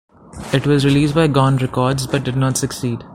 It was released by Gone Records, but did not succeed.